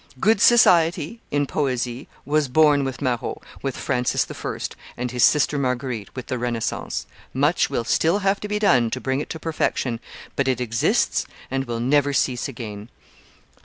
Good society, in poesy, was born with Marot, with Francis I., and his sister Marguerite, with the Renaissance: much will still have to be done to bring it to perfection, but it exists and will never cease again.